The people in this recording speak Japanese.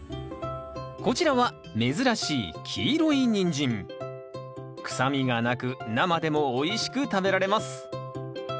こちらは珍しい臭みがなく生でもおいしく食べられます。